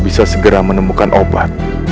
bisa segera menemukan obat